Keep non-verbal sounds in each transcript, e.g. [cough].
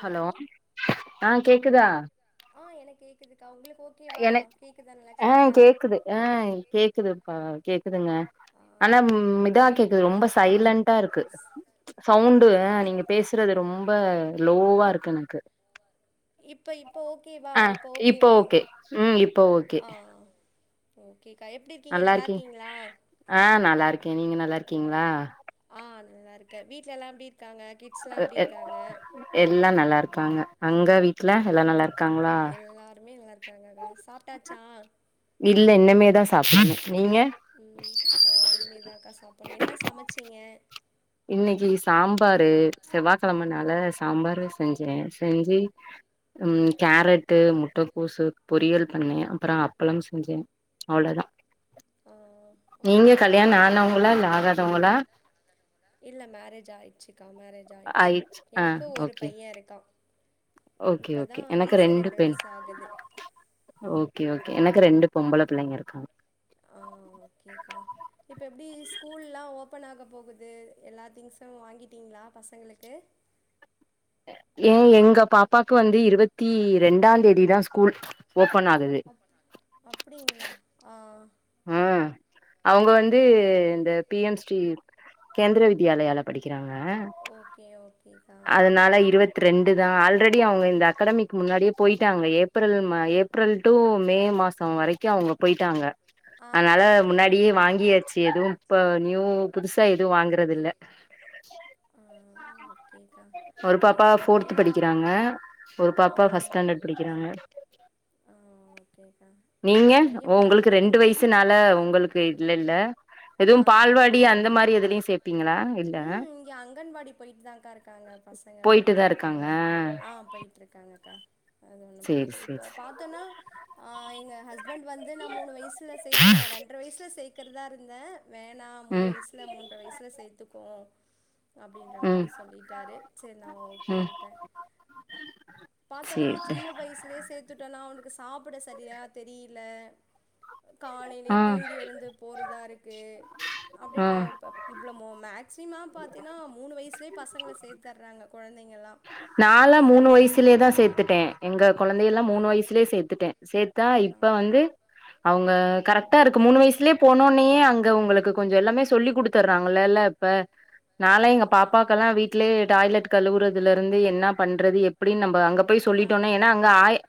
Hello ஆ கேக்குதா ஆ எனக் கேக்குதுக்கா உங்களுக்கு ஓகேவா எனக் கேக்குதா நல்லா ஆ க்ளியரா கேக்குது ஆ கேக்குதுப்பா கேக்குதுங்க ஆ ஆனா ஓகே மிதா கேக்குது ரொம்ப ஓகேக்கா சைலண்ட்டா இருக்கு சவுண்டு ஓகே அ இப் நீங்க பேச சுறது ரொம்ப லோவா இருக்கு எனக்கு இப்ப இப்ப ஓகேவா ஆ இப்ப இப்போ ஓகேவா ஓகே ம் இப்போ ஓகே ஆ ஓகேக்கா எப்படி இருக்கீங்க நல்லா இருக்கீங்களா ஆ நல்லா இருக்கே நீங்க நல்லா இருக்கீங்களா ஆ நல்லா இருக்கே வீட்ல எல்லா எப்டி இருக்காங்க கிட் அ எத் எல்லா நல்லா இருக்காங்க அங்க வீட் ம் ம் எல்லாருமே நல்லா இருக்காங்கக்கா சாப்ட்டாச்சா இல்ல இன்னமேதா சாப்பட்னு நீங்க நா இனிமேதாங்க்கா சாப்பிட்னு என்ன சமைச்சிங்க இன்னைக்கு சாம்பாரு செவ்வாய்கெழமனால ம் சாம்பாரு செஞ்சே செஞ்சு ம் கேரட்டு முட்ட கோசு பொறியல் பண்ணே அப்றோ அப்பளம் செஞ்சே அவ்ளோதா ஆ நீங்க ஓகே கல்யாணோ ஓகேக்கா ஆனவங்களா இல்ல ஆகாதவங்களா இல்ல மேரேஜ் ஆயிர்ச்சுக்கா மேரேஜ் ஆயிர்ச்சு ஆயிச்சு ஆ எனக்கு ஒரு ஓகே பைய இருக்கான் ஓகே இப்பதா ஓகே எனக்கு வயசு ரெண்டு பெண் வயசு ஆகுது ஓகே ஓகே எனக்கு ரெண்டு பொம்பளை பிள்ளைங்க இருக்காங்க ஆ ஓகேக்கா இப்ப எப்டி ஸ்கூல்லா ஓப்பன் ஆக போகுது எல்லா திங்ஸும் வாங்கிட்டீங்களா பசங்களுக்கு ஏ எங்க பாப்பாக்கு வந்து இருபத்தி ரெண்டா தேதி தா ஸ்கூல் ஓப்பன் ஆகுது அப்படிங்களா ஆ ம் அவங்க வந்து ஓ இந்த பி எம்ஸ் டி கேந்திர வித்யாலயால படிக்கிறாங்க ஓகே ஓகேக்கா அதனால இருபத் ரெண்டு தா ஆல்ரெடி அவங்க இந்த அக்காடமிக்கு முன்னாடியே போயிட்டாங்க ஏப்ரல் ம ஏப்ரல் டூ மே மாசோ த வரைக்கு அவங்க போயிட்டாங்க ஆ அதனால ஆ ஆ முன்னாடியே வாங்கியாச்சு எதும் இப்ப நியூ புதுசா எதும் வாங்குறது இல்ல ஆ ஓகேக்கா ஒரு பாப்பா என்னோட ஃபோர்த் பையன படிக்கிறாங்க ஒரு ஆ பாப்பா ஃபஸ்ட் ஸ்டாண்டர்ட் படிக்கிறாங்க ஆ ஓகேக்கா நீங்க என் பையன் இப்பதா ஒங்களுக்கு ரெண்டு பாத்தன்னா வயசு நா ல ஒங்களுக்கு இல்ல இல்ல எதுவு ஆ பால்வாடி ஆமாக்கா அந்த மாரி எதுலயு சேப்பீங்களா இல்ல ம் இங்க அங்கன்வாடி போய்ட்டுதாங்க்கா இருக்காங்க பசங்க போய்ட்டுதா இருக்காங்க ஆ போய்ட்டுருக்காங்கக்கா அது ஒண்ணு சேரி பிரச்ச சேரி இப்ப சேரி பாத்தோன்னா ஆ எங்க ஹஸ் பண்ட் வந்து நா மூணு வயசில சேத்துக்கினே ரெண்ர வயசில சேக்கிறதா இருந்தே வேணா மூணு ம் வயசுல மூன்ற வயசுல சேர்த்துக்கோ அப்டின்ற ம் மாரி சொல்லிட்டாரு செரி நா ம் ஓகேன்ட்டே பாத்தனா சேரி சின்ன வயசுலே சேத் த்துட்டோனா அவனுக்கு சாப்ட சரியா தெரில காலைலயே ஆ தூங்கி எழுந்து போறதா இருக்கு ஆ அப்டியே ப இவ்ளோ மோ மேக்ஸிம பாத்தீனா மூணு வயசுலே பசங்கள சேத்தர்றாங்க கொழந்தைங்கள்லா நால்லா மூணு வயசுலேதா சேத்துட்டே எங்க கெழந்தை எல்லா அப்டி மூணு வயசுலயே சேத்துட்டே சேத்தா ஆ இப்ப வந்து அவங்க கரெக்டா இருக்கு மூணு வயசுலயே போனோனேயே அங்க உங்களுக்கு கொஞ்ச எல்லாமே சொல்லி் குடுத்துர்றாங்களல்ல இப்ப நால எங்க ஆமா பாப்பாக்கெல்லா வீட்லேயே டாய்லெட் கழுவுறதுல இருந்து என்னா பண்றது எப்டின்னு நம்ப அங்க போய் எல்லா சொல்லிட்டோன ஏன்னா அங்க அயா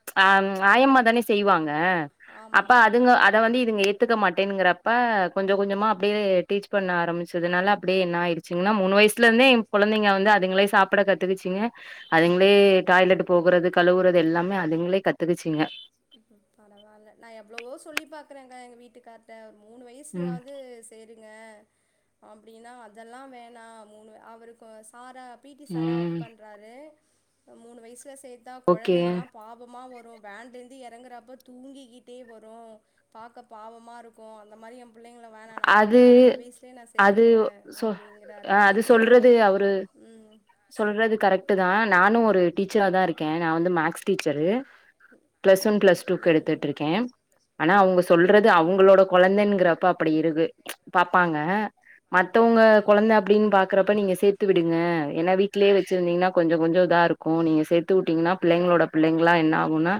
ம் ஆயம்மா தானே செய்வாங்க ஆமா அப்ப ஆமா அதுங்க அத வந்து இதுங்க ஏத்துக்க மாட்டேங்கிறப்ப கொஞ்ச கொஞ்சமா அப்டியே டீச் பண்ண ஆரம்பிச்சதுனால அப்டியே என்ன ஆயி சின்ன மூணு வயசுல ம் இருந்தே என் கொழந்தைங்க வந்து அதுங்களே சாப்பிட கத்துக்கச்சிங்க அதுங்ளே டாய்லெட் போகுறது கழுவுறது எல்லாமே அதுங்களே கத்துக்குச்சிங்க பரவால்ல நா எவ்ளவோ சொல்லி பாக்குறேங்கா எங்க வீட்டுக்கார்ட்ட ஒரு மூணு ம் வயசுலயாவது சேருங்க அப்டின்னா அதெல்லா வேணா மூணு அவருக்கு சார பி டி சாரா ம் ஒர்க் பண்றாரு மூணு வயசுல சேத்தா ஓகே கொழந்தைங்கல்லா பாவமா வரு வேண்டந் து எறங்கறப்ப தூங்கிக்கிட்டே வரு பாக்க பாவமா இருக்கு அந்த மாரி எ பிள்ளைங்கள வேணா நா அது அனுப்பல அஞ்சு வயசுலயே நா அது சேத்துக்கிறே சொ அப்டிங்கிறாரு அ அது அதுக்கே சொல்றது வந்து அவரு ம் சொல் சொல்றது கரெக்ட்டுதா நானு ஒரு டீச்சராதா இருக்கே நா வந்து maths teacher plus one plus டூக்கு ம் எடுத்துட்டு இருக்கே ஆனா அவங்க சொல்றது ம் அவங்களோட கொழந்தைங்கிறப்ப அப்டி இருக்கு பாப்பாங்க மத்தவங்க கொழந்த ஆஹா அப்டின்னு பா க்குறப்ப நீங்க சேத்து விடுங்க என்னா வீட்டிலேயே வச்சுருந்தீங்கன்னா கொஞ்ச கொஞ்ச இதா இருக்கு நீங்க சேத் து உட்டீங்கன்னா பிள்ளைங்களோட பிள்ளைங்களா என்ன ஆகுன்னா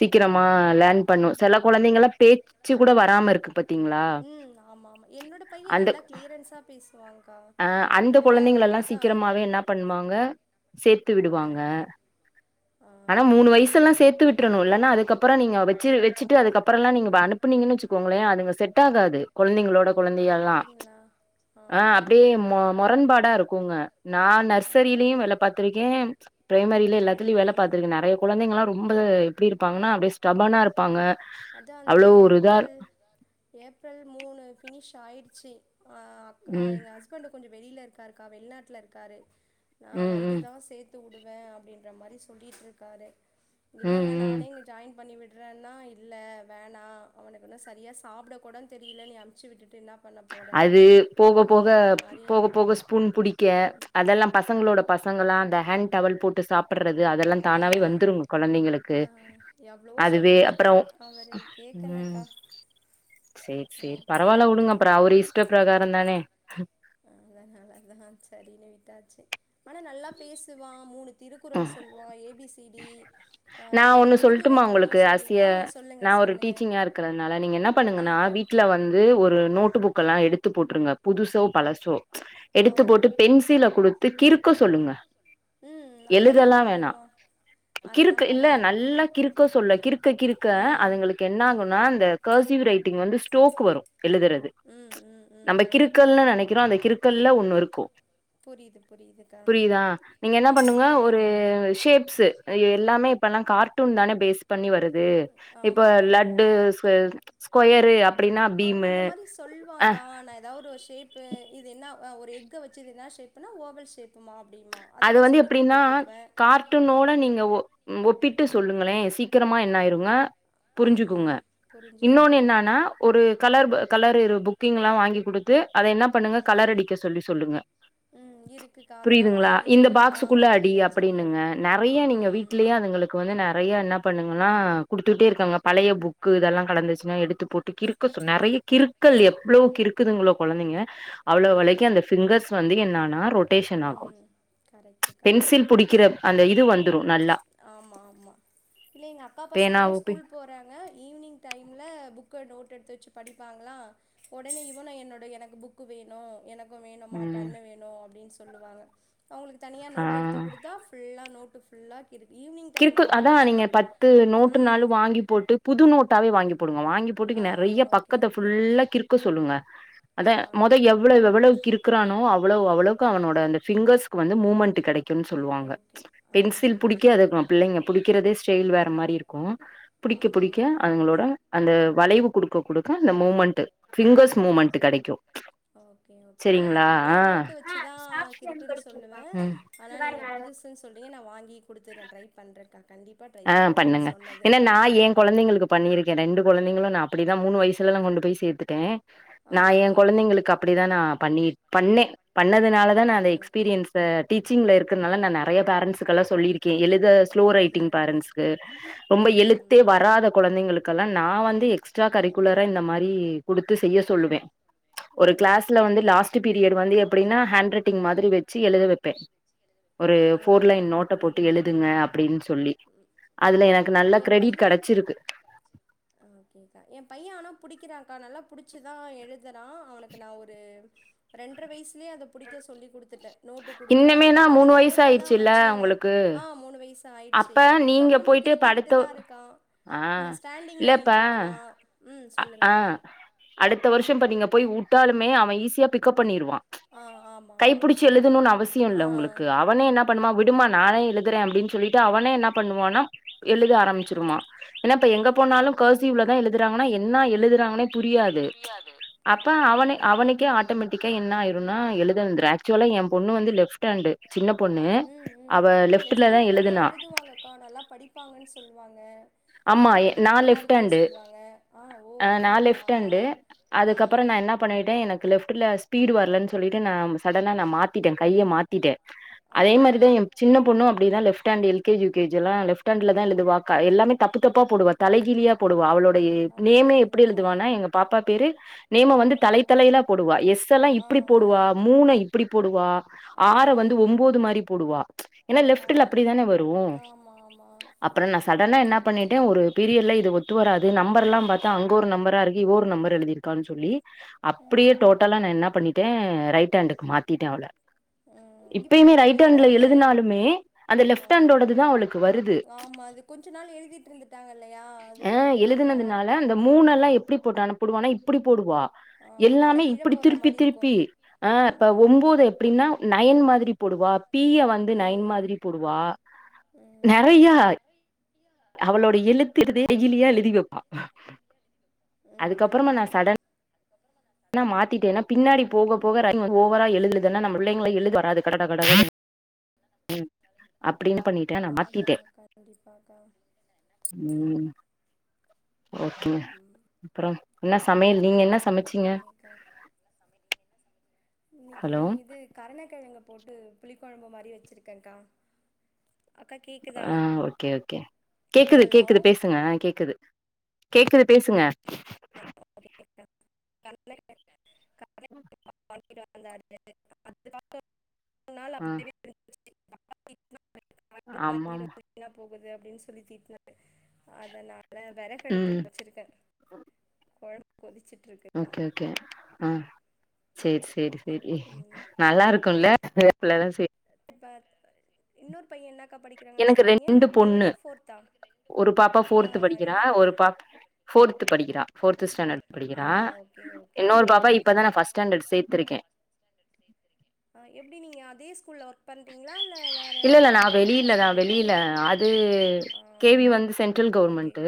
சீக்கிரமா லேண் பண்ணு செல கொழந்தைங்களா பேச்சு கூட வராம இருக்கு பாத்தீங்களா ம் ஆமா ஆமா என்னோட பைய அந்த நல்லா க்ளியரன்ஸா பேசுவாங்கா அ அந்த நல்ல கொழந்தைங்கள எல்லா அதா ஒரு சீக்கிரமாவே என்ன பண்ணுவாங்க சேத்து ஆ விடுவாங்க ஆ ஆனா மூனு வயசல்லா சேத்து விட்ரணு இல்லைன அதுக்கப்புற நீ வச்சு வச்சுட்டு அதுக்கப் அப்புறலா நீங்க அனுப்புனீங்கன்னு வச்சுக்கோங்களே அதுங்க செட் ஆகாது கொழந்தைங்களோட ஒ அப்டிங்ளா அ அ அப்டியே மொ மொரண்பாடா இருக்குங்க நா ஆ நர்சரிலயு வேல பாத்திருக்கே ப்ரைமரில ம் எல்லாத்துலயு வேல ம் பாத்தருக்கு நெறைய கொழந்தைங்கல்லா ரொம்ப எப்டி இருப்பாங்கன்னா அப்டியே ஸ்டபானா இருப்பாங்க அதா அந்த அவ்ளோ ஒரு இதா ஏப்ரல் ஏப்ரல் மூணு ஃபினிஷ் ஆயிடுச்சு அ அக் ம், எங்க ஹஸ் ஃபன்ட்டு கொஞ்சு வெளில இருக்காருக்கா வெள்நாட்ல இர்க்காரு நா ம், ம், வந்துதா சேத் த்து வுடுவே அப்டின்ற மாரி சொல்லிட்ருக்காரு இல்லங்க ம், ம். நானே இங்கு ஜாய்ன் பண்ணி விட்றேன்னா இத் இல்ல வேணா அவனுக் ஒன்னு சரியா சாப்ட கூடன் தெரில நீ அம்ச்சு விட்டுட்டு இன்னா பண்ணப் அது போக போக போக போக ஸ்பூன் புடிக்க அதெல்லா பசங்ளோடப் பசங்களா அந்த ஹேண் டவல் போட்டு சாப் ப்புர்றது அதல்லா ஆ தானாவே வந்துருங் கொழந்தைங்களுக்கு நா எவ்ளவோ சொல்லி அதுவே பாத்தே அப்பறோவ் அவரு கேக்கலக்கா சேர் சேர் பாப்போ பரவால்ல வுடுங்கப்ற அவர்இஷ்ட ப்ரகாரன் தானே அதனால தா ச்சரின்னு விட்டாச்சு ஆனா நல்லா பேசுவா மூணு அ திருக்குறள் சொல் வா ஏபீஸ் திடி அ நா ஒரு ஒண்ணு மூதுரை சொல்ட்டுமா கொடோ உங்களுக்கு சொல்லுவா ஆசிய ஆ சொல்லுங்க நா ஒரு சொல்லுங்க டீச்சிங்கா இருக்கறனால நீங்க என்ன ஆ பண்ணுங்கன்னா கண் வீட்ல வந்து ஒரு நோட்டு புக்கல்லாம் எடுத்து போட்ருங்க புதுசோ பழசோ ஆ எடுத்து போட்டு பென்சில குடுத்து கிருக்க சொல்லுங்க ம் அதெல்லாம் எழுதல்லா வேணா பண்ணுவான் கிறுக்கு அதெல்லாம் இல்ல பண்ணா நல்லா கிருக்க சொல்ல கிருக்க கிருக்க ம் அதுங்களுக்கு என் ம் ஆகுனா அந்த கர்சிவ் ரைட்டிங் வந்து ஸ்டோக் வரு எழுதுறது ம் ம் ம் நம்ப ம் கிருக்கள்னு நெனைக்கிறோ அந்த கிறுக்கல்ல ஒண்ணுருக்கு புரியுது புரியுதுக்கா புரியிதா நீங்க என்ன ஆ பண்ணுங்க ஒரு புரியுது ஷேப்ஸு எ எல்லாமே இப்பல்லா கார்ட்டூன் தானே பேஸ் பண்ணி வருத் து இப்ப ஆமா ஆமா லட்டு ஸ்கொய்த் ஸ்கொயரு அப்டின்னா பீமு அ ஏதாவ்ரோ ஷேப்பு இது என்னா அ ஒரு எஃகு வச்சி இதுதா ஷேப்புனா ஓவல் ஷேப்புமா அப்டிமா அது வந்து எப்டின்னாஆ கார்ட்டூனோட நீங்க ஒ ம் ஒப்பிட்டு சொல்லுங்களே சீக் க்கிரமா என்னாய்ருங்க புரிஞ்சுக்குங்க ம் இன்னொன்னு புரிஞ்சுக்குவாங்க என்னான்னா ஒரு கலர் ப கலரிரு புக்கிங்குல்லா வாங்கி கொடுத்து அதை என்னப் பண்ணுங்க கலர் ம் அடிக்க சொல்லி சொல்லுங்க ம் இருக்குக்கா அதெல்லா புரியிதுங்ளா வாங்கி இந்த ஆ பாக்சுக்குள்ள வாங்கி அடி வச்சிருக்கே அப்படின்னுங்க நறையா நீங்க ம் வீட்லியே அதுங்களுக் வந்நு நறையா என்னா பண்ணுங்கன்னா குடுத்துட்டே இருக்காங்க பழைய பு க்கு இதல்லா கலந்துச்சுனா எடுத்துப் போட்டு கிறுக்க சொ நெறைய கிருக்கள் எவ்ளோ கிருக்குதுங்ளோ கொழந்தைங்க அவ்ளோ ஆ வலைக்கி அந்த ஃபிங்கர்ஸ் வந்து என்னானா ரொட்டேஷன் ஆகு கரக்டுக்கா பென்சில் ஏ புடிக்கிற அந்த இது வந்துரு நல்லா ஆமா ஆமா இல்ல எங்க அக்கா பசங்களு பேனாவு பெ ஸ்கூல்ப் போறாங்க ஈவ்னிங் டைம்ல புக்க நோட் எடுத்து வச்சு படிப்பாங்களா ஒடனே இவனு என்னோடய எனக்கு புக்கு வேணு எனக்கு வேணும்மா ம் பெண்ணு வேணு அப்டின் சொல்லுவாக அவங்களுக்கு தனியா ஆ நோட் எடுத்து குடுத்தா ஃபுல்லா நோட்டு் ஃபுல்லா கிருக் ஈவ்னிங் கிருக்குள் அதா நீங்க பத்து நோட்டு நாலு ம் வாங்கி போட்டு புது நோட்டாவே வாங்கி போடுங்க வாங்கிப் போட்டுக்கு ஆ நறைய ஓகே பக்கத்த ஓகே ஃபுல்லா கிறு க்கு சொல்லுங்க ஆ அதே மொத எவ்வள எவ்வளவ் கிருக்குறானோ அவ்வளவ் அவ்வளவ் க்கு அவனோட அந்த ஃபிங்கஸ்க்கு வந்து மூமண்ட்டு கடைக்குன் சொல்லுவாங்க ஓகே ஆ பென்சில் ஓகே புடிக்க ஓகே அதுக்ராம் ள்ளய்ங்க புடிக்கிறதே ஸ்டைல் வேற மாரி இருக்கு புடிக்க ஆ புடிக்க அய்ங்களோட அந்தவ் வளைவு குடுக்க குடுக்க அந்த மூமண்ட்டு ஃபிங்கஸ் மூமண்ட்டு கடைக்கு ஓகே ஓகே ஆனா நா பழைய நோட்டு வச்சுதா கிருக்குன் சொல்லுவே ம் ஆனா நீங்க புதுஸ் து சொல்லி நா வாங்கி குடுத்துரே ட்ரை பண்றேக்கா கண்டிப் ஆ பண்ணுங்க ஏன்னா நா ஏ கொழந்தைங்களுக்குப் பண்ணிருக்கே ரெண்டு கொழந்தைங்களு நா அப்படிதா மூனு வய்சுல நா கொண்டு போய் சேத்துட்டே ஆ நா ஏ ஆ கொந்தைங்களுக்கு அப்படிதா நா பண்ணி பண்ணே பண்ணதுனாலதா நா அத ஓகே எக்ஸ்பீரியன்ஸ் ஸு டீச்சிங்ல இருக்கறனால நா நறைய ஓகே பேரண்ஸ்ஸுக்கல்லா சொல்லிருக்கே எழுத ஸ்லோ ரைட்டிங் பேரண்ட்ஸ்கு ரொம்ப பேரண்ட்ஸ்க்கு எழுத்தே ம் வராத கொழந்தைங்களுக்கல்லா நா வந்து எக்ஸ்ட்ரா கரிக்குலரா இந்த மாரி குடுத்து செய்ய சொல்லுவே ஒரு சொல்லுவேன் ம் கிளாஸ்ல வந்து லாஸ்ட் பீரியட் வந்து எப்படின்னா ஹேண்ட் ரைட்டிங் மாதிரி வெச்சு எழுத வெப்பே ஒரு ஆ போர் ஆ லைன் நோட்ட போட்டு புரியுது புரி எழுதுங்க அப்படின் சொல்லி ம் அதுல எனக்கு ம் நல்ல ஏ கிரெடிட் பைய கெடச்சிருக்கு ஓகேக்கா ஏ பைய அனா புடிக்குதாங்க்கா நல்லா புடிச்சுதா எழுதுறா அவனுக்கு நா ஒரு ரெண்ர வயசுலே அத பிடிக்க சொல்லி குடுத்துட்ட நோட்டு குடுத்து அனா அந்த இன்னமேனா மூணு பழைய நோ வயசு ட்ட தா ஆயிருச்சுல்ல வச்சி நா உங்களுக்கு ஆ மூணு வயசு ட்டாயிச்சி அப்ப நீங்க இதுக்கப்பறமா போயிட்டு இப்ப அடுத்த கிருக்கிக்கிட்டுதா இருக்கா ஆ இந்த ஸ்டாண்டிங் லைன் இல்லப்பா போடுவா ம் அ ஆ சொல்லுங்கக்கா அடுத்த வருஷோ இப்ப நீங்க போய் உட்டாலுமே அவ ஈஸியா பிக்கப் பண்ணிருவா ஆ ஆமா ஆமா கைப்பிடிச்சு எழுதணுன் அவசியோ இல்ல ஆ உங்களுக்கு அவனே என்ன பண்ணுவா விட் டுமா நானே எழுதறே அப்டின் சொல்லிட்டு அவனே என்ன பண்ணுவான்னா எழுத ஆரம்பிச் சிருமா ஏன்னா இப்ப ஆ எங்க போனாலு கேர்சீவ்லதா எழுதுறாங்கன்னா என்னா எழுதுறாங்கனே புரியாது அப்ப ஆமா அவனே அவனுக்கே கண்டிப்பாக்கா ஆட்டோமேட்டிக் கா என்ன ஆயிருன்னா எழுத வந்துரு ஆக்சுவலா ஏ பொண்ணு வந்து லெப்ட் ஹண்ட்டு சின்ன பொண்ணு ம் ம் அவ லெப்ட்டுலதா லெஃப்ட்டெல்லாம் நல்லா எழுதுனா எழுதுவாங்கக்கா அக்கா நல்லா படிப்பாங்கன் சொல்லுவாங்க ஆமா ஹேண்ட் ரைட்டிங் நா நல்லா லெஃப்ட் ஹேண்டு இருக்குன் சொல்லுவாங்க ஆ ஓ அப்படிங்களா ஆ பண்ணிகிட்டே எனக்கு லெஃப்ட்ல ஸ்பீடு வரலன் சொல்லீட்டு நா சடனா நா மாத்திட்டே கைய மாத்திட்டே ஆ அதே மாரி தா ஆ ஏ சின்ன பொண்ணு அப்டி தா left hand L K G U K ஜிலா லெப்ட் ஹேண்ட்டுல தா எழுதுவா கா தப்பு தப்பா போடுவா தலைகீழியா போடுவா அவளுடைய எழுத்து நேம் எப்படி நேமே எப்டி எழுதுவானா எங்க பாப்பா பேரு நேம வந்து தலைத்தலைலா போடுவா எஸ்செல்லா எஸ் இப்டி போடுவா வந்து மூண இப்டி போடுவா ஆற போடுவா வந்து ஒன்போது மாரி போடுவா ஏன்னா போடுவா லெப்ட்டுல அப்படிதானே வரூ ஆ ஆமா ஆமா அப் பறோ நா சடனா என்ன பண்ணீட்டே ஒரு பீரியட்ல இது ஒத்து வராது நம்பர்லா பத்தா அங்க ஒரு நம்பர இரு இ ஒர் நம்பர் எழுதிருக்கான் சொல்லி ம் அப்படியே டோட்டலா நா என்னா பண்ணீட்டே ரைட் ஹேண்டுக்கு மாத்தீட்டே அவள ம் இப்ப இப்பயுமே எப்டி ரைட் ஹேண்ட்ல எழுதுறாங்க எழுதுனாலுமே அந்த லெப்ட் ஹண்டோடது தா அவளுக்கு வருது ஆமா அது கொஞ்ச நாள் எழுதீட்ருந்துட்டாங்க இல்லயா அது கொஞ்ச நாள் மாறு இந்த மூண் எல்லா எப்டி போட்டு அணுப்பூடுவான்னா இப்படி போடுவா ஆ எல்லாமே தலைகீழ இப்படி போடுற திருப்பி மாரி இருக்கும் திருப்பி ஆ இப்ப ம் ஒன்போது எப் அப்படின்னா நயன் மாதிரி போடுவா பீய வந்து நயன் ம் மாதிரி போடுவா நெறயா யா அவளோட எழுத்து [inaudible] எகிலியா எழுதி வெப்பா அதுக்கப்பறமா நா ம் சட [inaudible] ன மாத்திட்டேன்னா பின்னாடி போக போக [inaudible] ஓவரா எழுதுதுன்னா நம்ம புள்ளைங்கள எழுத வராது கட கட ம் அப்டின்னு பண்ணீட்டே நா ஆமாக்கா மாத்திட்டே கண்டிப்பாக்கா ம் ஓகேங்க அப்பறோ என்ன சமையல் நீங்க என்ன சமச்சீங்க [unintelligible] இன்னிக்கு ஹலோ இது கரணக்கெழங்கு போட்டு புளி கொழம்பு மாரி வெச்சிருக்கேங்கா ஆ ஓகே ஓகே கேக்குது ஹலோ கேக்குது பேசுங்க அ கேக்குது கேக்குது பேசுங்க [unintelligible] [unintelligible] ஆ [unintelligible] வாங்கிட்டு ஆமாமா வந்து வீணா போகுது அப்டின் சொல்லி தீட்டினாரு அதனால ம் வெறகடுப்புல வச்சிருக்கே கொழம்பு கொதிச்சிட்ருக்கு [unintelligible] ஓகே ஆ சேர் சேரி சேரி நல்லா இருக்குல்ல [unintelligible] ப இன்னொரு பையெ என்ன கா படிக்கிறாங்கன் எனக்கு சொன்னீங்க ரெண்டு பொண்ணு தேர்டா போர்த்தா ஒரு பாப்பா ஆ ஃபோர்த்து படிக்கிறா என்னா ஒரு படிக் பாப் ஃபோர்த்து படிக்கிறா ஃபோர்த்து ஸ்டேண்டர்ட் ஆ படிக்கிறா ஓகே ஓகே இன்னொரு பாப்பா ஓகேக்கா இப்பதா நா ஃபஸ்ட் ஸ்டேண்டர்ட் சேத்திரிக்கே ஆ எப்டி நீங்க அதே ஸ்கூல்ல ஒர்க் பண்றீங்ளா இல்ல வேற இல்ல இல்ல நா பாப்பா படிக்கிற வெளியில தா ஸ்கூல்லயேவா வெளியில இல்ல ஆ டில் கவுர்மண்ட்டு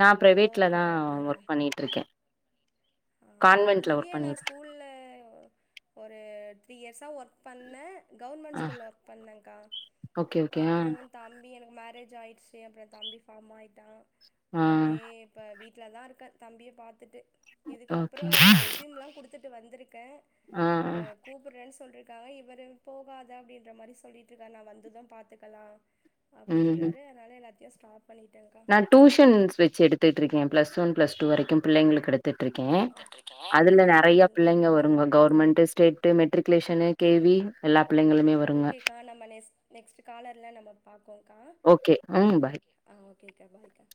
நா ஓகே பிரைவேட்லதா ஓகேக்கா ஒர்க் பண்ணீட்ருக்கே ஆ இங்கயே நா பண்ணிட்டு இருக்கேன். ஸ்கூல்ல ஒரு த்ரீ இயர்ஸா ஒர்க் பண்ணே கவர்மெண்ட் ஆ ஸ்கூல்ல ஒர்க் பண்ணெக்கா ஓகே ஓகே ஆ அப்றோ தம்பி எனக்கு மேரேஜ் ஆயிடுச்சி அப்றோ தம்பி ஃபார்ம் ஆயிட்டா ஆ அப்டியே இப்ப வீட்ல தா இருக்கே தம்பிய பாத்துட்டு இதுக்கப்றோ ஓகே உங்க ரெசியூம்லா குடுத் துட்டு வந்துருக்கே ஆ ஆ அ கூப்புட்றேன் சொல்ருக்காங்க இவரு போகாத அப்டின்ற மாரி சொல்லிட்ருக்கார் நா வந்தது பாத்துக்கலா ம் அப்டின்றாரு அதனால எல்லாத்தையு ஸ்டாப் பண்ணிட்டங்கா டூஷன்ஸ் வச்சி எடுத்துகிட்ருக்கே பிளஸ் ஒன் பிளஸ் டூ வரைக்கு பிள்ளைங்களுக் எடுத் துட்ருக்கே ஆ அதுல நெறையா பிள்ளைங்க அப்டிங்களாக்கா வருங்க governments date matriculation K V எல்லா பிள்ளைங்களுமே வருங்க ஓகேக்கா நம்ம நெஸ் நெக்ஸ்டு காலர்ல நம்ம பாக்கோக்கா ஓகே ம் பாய் ஆ ஓகேகா பாய்கா